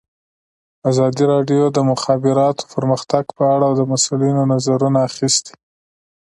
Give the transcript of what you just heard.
ازادي راډیو د د مخابراتو پرمختګ په اړه د مسؤلینو نظرونه اخیستي.